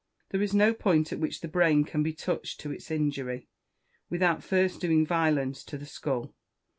There is no point at which the brain can be touched to its injury, without first doing violence to the skull.